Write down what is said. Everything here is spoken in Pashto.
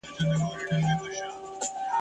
شیطان قوي دی د ملایانو !.